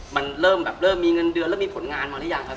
มันเริ่มแบบเริ่มมีเงินเดือนแล้วมีผลงานมาหรือยังครับ